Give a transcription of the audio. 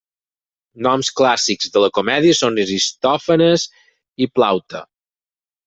Noms clàssics de la comèdia són Aristòfanes i Plaute.